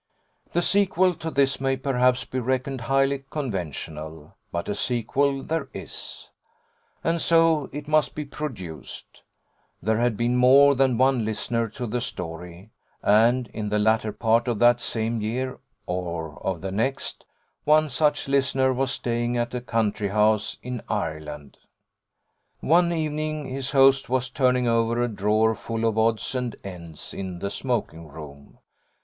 The sequel to this may perhaps be reckoned highly conventional; but a sequel there is, and so it must be produced. There had been more than one listener to the story, and, in the latter part of that same year, or of the next, one such listener was staying at a country house in Ireland. One evening his host was turning over a drawer full of odds and ends in the smoking room.